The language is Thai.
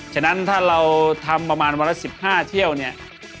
ฉะนั้นถ้าเราทำประมาณวันละ๑๕เที่ยวเนี่ย